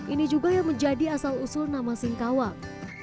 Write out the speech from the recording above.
ini juga yang menjadi asal usul nama singkawang